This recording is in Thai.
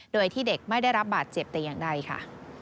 โดยที่เด็กไม่ได้รับบาดเจ็บแต่อย่างใดค่ะ